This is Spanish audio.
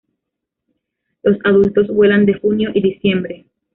Los adultos vuelan de junio y diciembre.